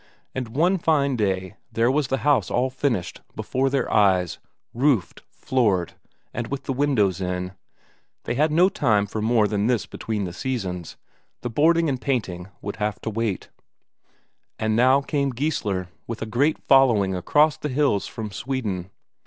And one fine day there was the house all finished, before their eyes, roofed, floored, and with the windows in. They had no time for more than this between the seasons; the boarding and painting would have to wait. And now came Geissler with a great following across the hills from Sweden.